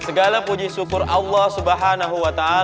segala puji syukur allah subhanahu wa ta'ala